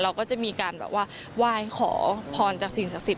เราก็จะมีการแบบว่าไหว้ขอพรจากสิ่งศักดิ์สิทธ